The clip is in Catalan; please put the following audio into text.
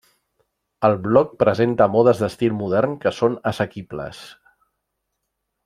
El blog presenta modes d'estil modern que són assequibles.